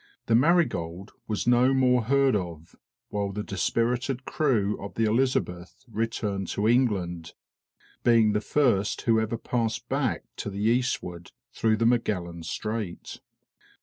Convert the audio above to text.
The Marigold was no more heard of, while the dispirited crew of the Elizabeth returned to England, being the first who ever passed back to the eastward through Magellan's Strait.